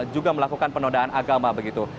juga melakukan penodaan agama begitu